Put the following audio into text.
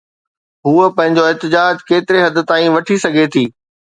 هوءَ پنهنجو احتجاج ڪيتري حد تائين وٺي سگهي ٿي؟